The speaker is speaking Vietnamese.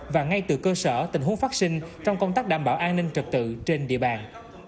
và ngay từ cơ sở tình huống phát sinh trong công tác đảm bảo an ninh trật tự trên địa bàn